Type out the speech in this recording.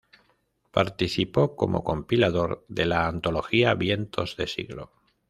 Participó como compilador de la antología "Vientos de siglo.